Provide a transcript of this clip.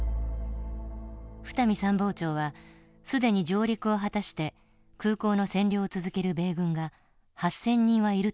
二見参謀長は既に上陸を果たして空港の占領を続ける米軍が８，０００人はいると見ていた。